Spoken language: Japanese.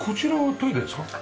トイレです。